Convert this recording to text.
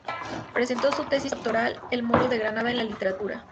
Presentó su tesis doctoral "El moro de Granada en la Literatura.